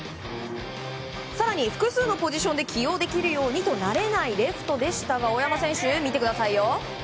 更に、複数のポジションで起用できるようにと慣れないレフトでしたが大山選手、見てくださいよ。